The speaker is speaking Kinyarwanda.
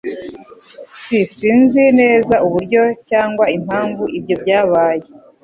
S Sinzi neza uburyo cyangwa impamvu ibyo byabaye.